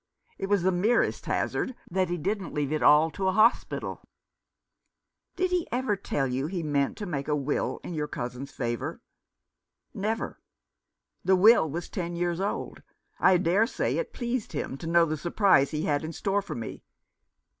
It was the merest hazard that he didn't leave it all to a hospital." " Did he ever tell you he meant to make a will in your cousin's favour ?"" Never. The will was ten years old. I dare say it pleased him to know the surprise he had in store for me.